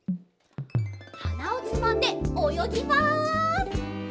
はなをつまんでおよぎます。